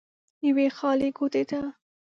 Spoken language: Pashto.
يوې خالې کوټې ته